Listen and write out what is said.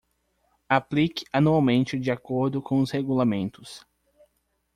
Aplique anualmente de acordo com os regulamentos